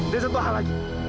dan satu hal lagi